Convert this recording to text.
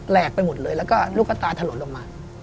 กไปหมดเลยแล้วก็ลูกตาถล่นลงมา